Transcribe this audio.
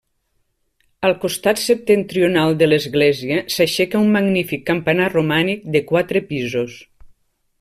Al costat septentrional de l'església s'aixeca un magnífic campanar romànic de quatre pisos.